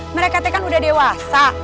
mereka kan udah dewasa